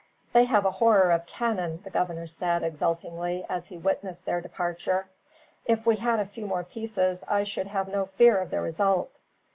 "They have a horror of cannon," the governor said, exultingly, as he witnessed their departure. "If we had a few more pieces, I should have no fear of the result."